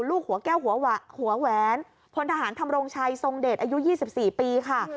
ลูกหัวแก้วหัวแหวนพลทหารทำรงชัยทรงเดชอายุ๒๔ปีค่ะ